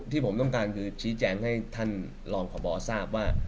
ที่ผมต้องการคือชี้แจงให้ท่านรองพบทราบว่า